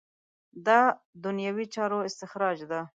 دا دنیوي چارو استخراج ده.